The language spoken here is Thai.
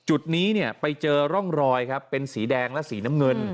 จุดนี้ไปเจอร่องรอยครับเป็นสีแดงและสีน้ำเงิน